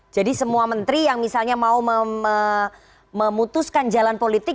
jadi semua menteri yang misalnya mau memutuskan jalan politik